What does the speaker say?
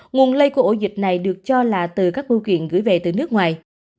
nguồn lây của ổ dịch này được cho là từ các bưu kiện gửi về từ nước ngoài